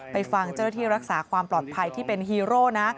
ฟังเจ้าหน้าที่รักษาความปลอดภัยที่เป็นฮีโร่นะ